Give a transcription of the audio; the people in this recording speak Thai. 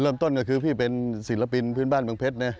เริ่มต้นก็คือพี่เป็นศิลปินพื้นบ้านเมืองเพชรนะ